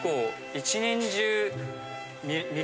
・１年中！